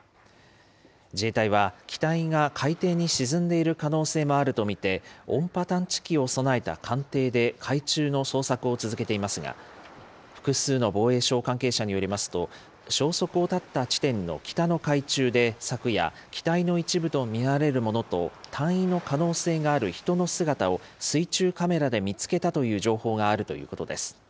自衛隊は機体が海底に沈んでいる可能性もあると見て、音波探知機を備えた艦艇で海中の捜索を続けていますが、複数の防衛省関係者によりますと、消息を絶った地点の北の海中で昨夜、機体の一部と見られるものと、隊員の可能性がある人の姿を、水中カメラで見つけたという情報があるということです。